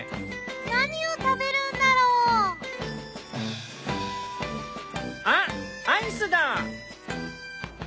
何を食べるんだろう？あっアイスだ！